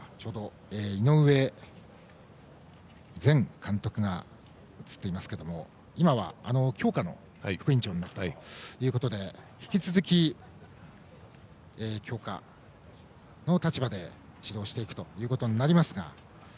井上前監督が映っていますが今は、強化の副委員長もやっているということで引き続き強化の立場で指導していくことになりますが。